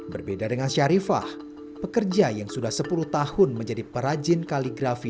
berbeda dengan syarifah pekerja yang sudah sepuluh tahun menjadi perajin kaligrafi